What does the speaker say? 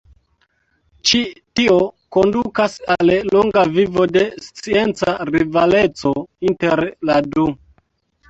Ĉi tio kondukas al longa vivo de scienca rivaleco inter la du.